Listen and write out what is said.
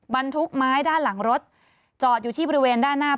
บรรทุกไม้ด้านหลังรถจอดอยู่ที่บริเวณด้านหน้า